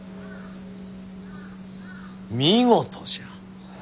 見事じゃ。